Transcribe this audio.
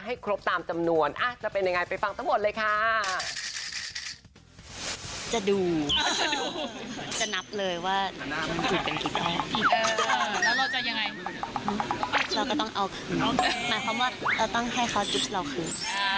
หมายความว่าเราต้องให้เคาร์ดจุ๊บเราคืน